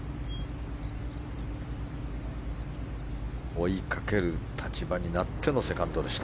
追いかける立場になってのセカンドでした。